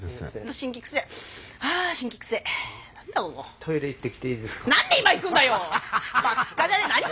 トイレ行ってきていいですか？